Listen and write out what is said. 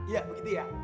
ya begitu ya